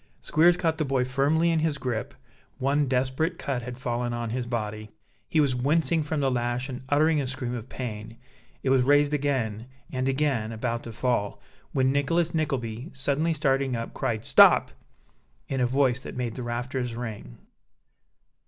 Squeers caught the boy firmly in his grip; one desperate cut had fallen on his body he was wincing from the lash and uttering a scream of pain it was raised again, and again about to fall when Nicholas Nickleby, suddenly starting up, cried "Stop!" in a voice that made the rafters ring.